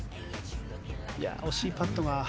惜しいパットが。